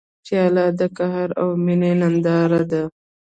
پیاله د قهر او مینې ننداره ده.